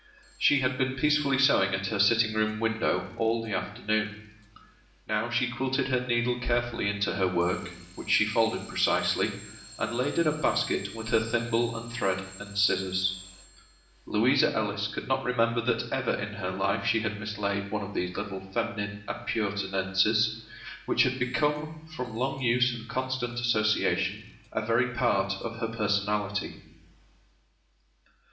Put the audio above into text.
She had been peacefully sewing at her sitting room window all the afternoon. Now she quilted her needle carefully into her work, which she folded precisely, and laid in a basket with her thimble and thread and scissors. Louisa Ellis could not remember that ever in her life she had mislaid one of these little feminine appurtenances, which had become, from long use and constant association, a very part of her personality.